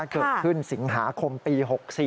เกิดขึ้นสิงหาคมปี๖๔